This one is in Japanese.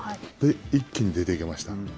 一気に出ていけました。